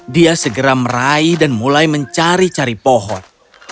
dia segera meraih dan mulai mencari cari pohon